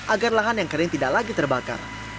agar lahan yang kering tidak lagi terbakar